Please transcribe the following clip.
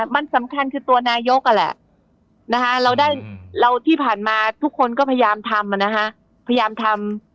มันสำคัญคือตัวนายกเราที่ผ่านมาทุกคนก็พยายามทำ